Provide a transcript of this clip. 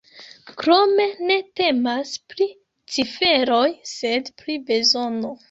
Krome ne temas pri ciferoj, sed pri bezono.